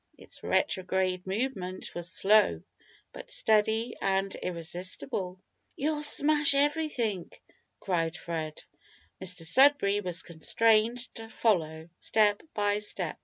Its retrograde movement was slow, but steady and irresistible. "You'll smash everything!" cried Fred. Mr Sudberry was constrained to follow, step by step.